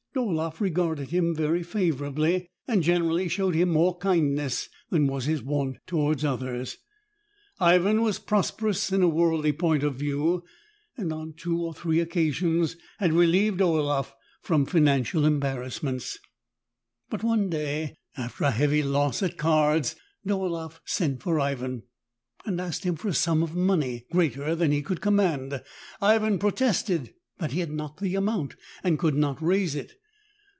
Dolaefif regarded him very favorably, and generally showed him more kindness than was his wont toward others. Ivan was prosperous in a world ly point of view, and on two or three occasions had relieved DOLAEFF FELLED HIM TO THE GROUND. Dolaeff from financial embarrassments. But THE serf's revenge. 109 one day, after a heavy loss at cards, Dolaeff sent for Ivan, and asked him for a sum of money greater than he could command. Ivan protested that he had not the amount, and could not raise it.